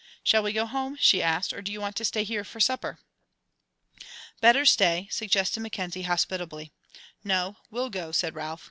"Shall we go home?" she asked, "or do you want to stay here for supper?" "Better stay," suggested Mackenzie, hospitably. "No, we'll go," said Ralph.